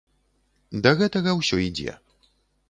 Да гэтага ўсё ідзе.